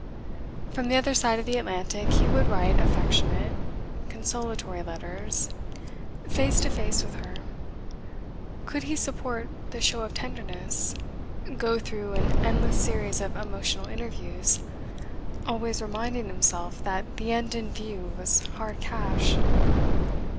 From the other side of the Atlantic he would write affectionate, consolatory letters; face to face with her, could he support the show of tenderness, go through an endless series of emotional interviews, always reminding himself that the end in view was hard cash?